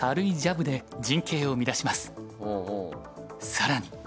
更に。